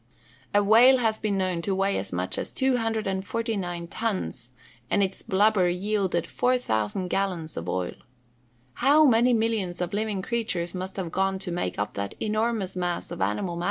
A whale has been known to weigh as much as 249 tons, and its blubber yielded 4,000 gallons of oil. How many millions of living creatures must have gone to make up that enormous mass of animal matter!